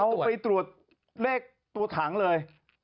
เอาไปตรวจเลขตัวถังเลย